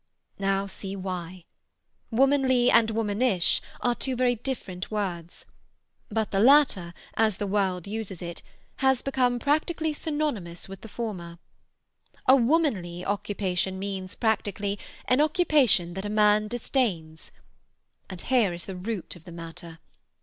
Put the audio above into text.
"Now see why. Womanly and womanish are two very different words; but the latter, as the world uses it, has become practically synonymous with the former. A womanly occupation means, practically, an occupation that a man disdains. And here is the root of the matter.